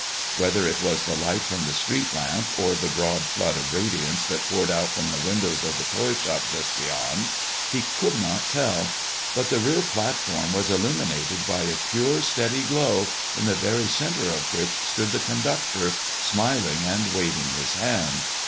Whether it was the light from the street lamp, or the broad flood of radiance that poured out from the windows of the toy shop just beyond, he could not tell; but the rear platform was illuminated by a pure, steady glow, in the very center of which stood the conductor, smiling and waving his hand.